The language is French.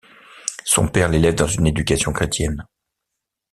Son père l'élève dans une éducation chrétienne.